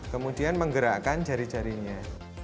kemudian menggerakkan jari jarinya